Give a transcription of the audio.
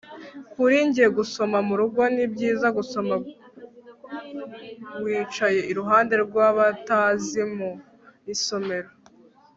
Kuri njye gusoma murugo ni byiza gusoma gusoma wicaye iruhande rwabatazi mu isomero